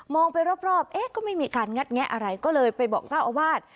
ไปรอบเอ๊ะก็ไม่มีการงัดแงะอะไรก็เลยไปบอกเจ้าอาวาส